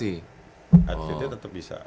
atletnya tetap bisa